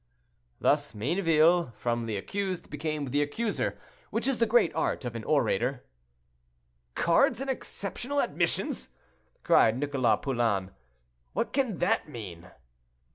Thus Mayneville, from the accused, became the accuser, which is the great art of an orator. "Cards and exceptional admissions!" cried Nicholas Poulain, "what can that mean?"